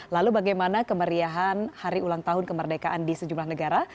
lalu bagaimana kemeriahan hari ulang tahun kemerdekaan di sejumlah negara